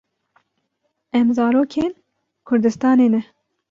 Em zarokên kurdistanê ne.